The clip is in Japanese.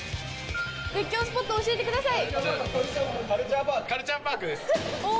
絶叫スポット教えてください！